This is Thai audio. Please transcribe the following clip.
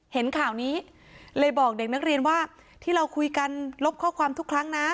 เห็นข่าวนี้เลยบอกเด็กนักเรียนว่าที่เราคุยกันลบข้อความทุกครั้งนะ